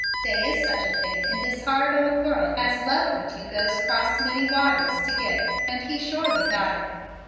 Dey is such a thing in dis hard old world as love what you goes 'crost many waters' to git, and he shorely got it."